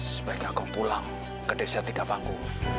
sebaiknya kau pulang ke desa tiga panggung